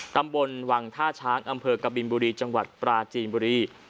ตำบลวังท่าช้างอำเภอกบินบุรีจังหวัดปราจีนบุรี